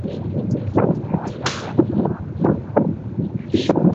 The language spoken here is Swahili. nchini Uturuki zina fanicha za mtindo wa Uropa ingawa familia